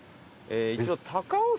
一応。